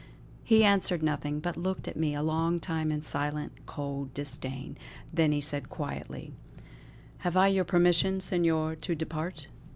He answered nothing, but looked at me a long time in silent cold disdain. Then he said quietly: "Have I your permission, Senor, to depart?"